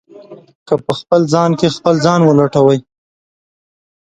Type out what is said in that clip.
که په خپل ځان کې خپل ځان ولټوئ.